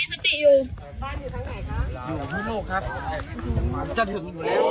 จะถึงอยู่แล้ว